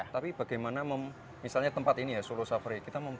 tapi bagaimana misalnya tempat ini ya sulo sabre